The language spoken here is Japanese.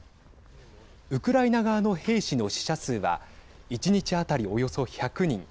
ウクライナ側の兵士の死者数は１日当たりおよそ１００人